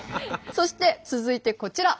そして続いてこちら。